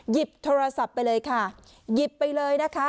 หยิบโทรศัพท์ไปเลยค่ะหยิบไปเลยนะคะ